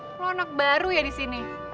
hmm lo anak baru ya di sini